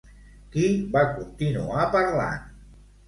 Qui va continuar parlant?